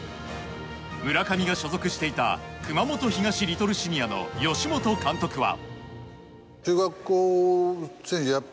村上が所属していた熊本東リトルシニアの吉本監督は。